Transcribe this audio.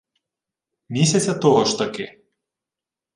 Місяця того ж таки